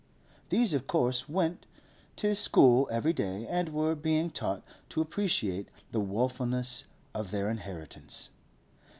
These, of course, went to school every day, and were being taught to appreciate the woefulness of their inheritance.